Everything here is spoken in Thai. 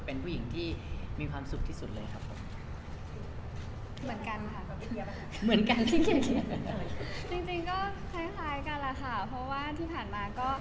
เป็นผู้หญิงที่มีความสุขที่สุดเลยครับผม